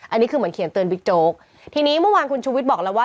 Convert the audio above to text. อันนี้คือเหมือนเขียนเตือนบิ๊กโจ๊กทีนี้เมื่อวานคุณชูวิทย์บอกแล้วว่า